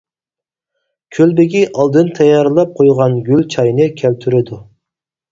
كۆل بېگى ئالدىن تەييارلاپ قويغان گۈل چاينى كەلتۈرىدۇ.